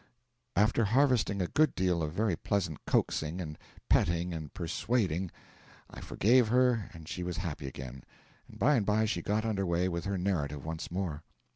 After harvesting a good deal of very pleasant coaxing and petting and persuading, I forgave her and she was happy again, and by and by she got under way with her narrative once more.